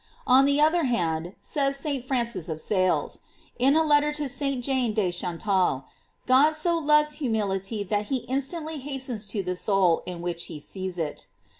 On the other hand, said St. Francis of Sales, in a letter to St. Jane de Chantal, God so loves humility that he instantly hastens to the soul in which he sees it.